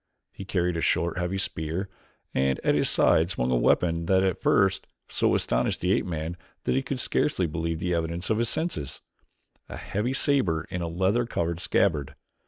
He carried a short, heavy spear, and at his side swung a weapon that at first so astonished the ape man that he could scarcely believe the evidence of his senses a heavy saber in a leather covered scabbard.